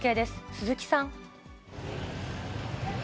鈴木さん。